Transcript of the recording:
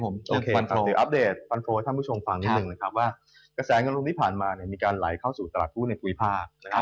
กระแสเงินลงทุนมีพันมาอลายเข้ามารายการรายการกระแสในขุนตลาดภูมิภาค